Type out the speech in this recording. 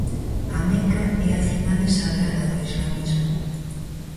A Meca é a cidade sagrada do islamismo.